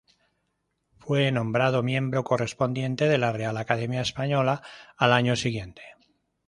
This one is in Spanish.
Fue nombrado miembro correspondiente de la Real Academia Española al año siguiente.